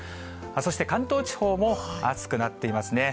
そして、関東地方も暑くなっていますね。